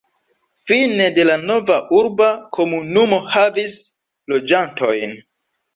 Fine de la nova urba komunumo havis loĝantojn.